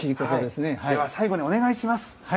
では最後にお願いします。